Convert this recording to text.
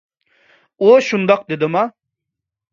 ئۇ شۇنداق دېدىما؟